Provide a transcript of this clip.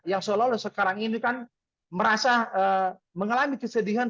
yang seolah olah sekarang ini kan merasa mengalami kesedihan